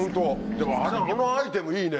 でもあのアイテムいいね。